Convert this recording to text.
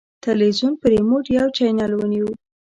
تلویزیون په ریموټ یو چینل ونیو.